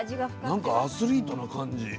なんかアスリートな感じ。